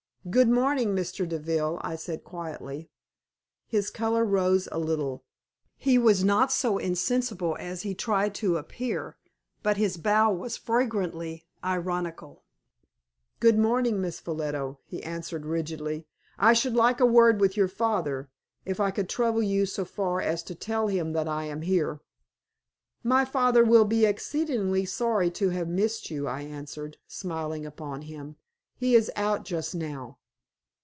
"Good morning, Mr. Deville," I said, quietly. His color rose a little. He was not so insensible as he tried to appear, but his bow was flagrantly ironical. "Good morning, Miss Ffolliot," he answered, frigidly. "I should like a word with your father if I could trouble you so far as to tell him that I am here." "My father will be exceedingly sorry to have missed you," I answered, smiling upon him; "he is out just now."